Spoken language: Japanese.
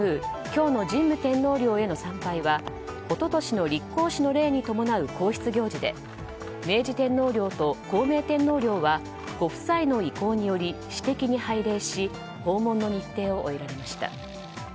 今日の神武天皇陵への参拝は一昨年の立皇嗣の礼に伴う皇室行事で、明治天皇陵と孝明天皇陵はご夫妻の意向により私的に拝礼し訪問の日程を終えられました。